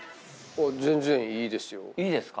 全然いいですよ。